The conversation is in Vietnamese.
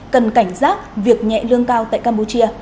cần cảnh giác việc nhẹ lương cao tại campuchia